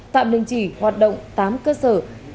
tạm đình chỉ hoạt động tám cơ sở